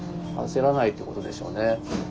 あせらないっていうことでしょうね。